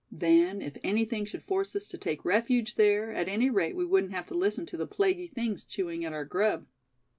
Then, if anything should force us to take refuge there, at any rate we wouldn't have to listen to the plaguey things chewing at our grub."